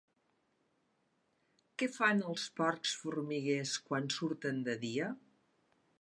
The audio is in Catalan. Què fan els porcs formiguers quan surten de dia?